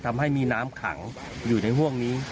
ทำให้มีน้ำขังอยู่ในห่วงนี้